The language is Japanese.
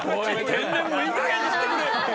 天然もいいかげんにしてくれ！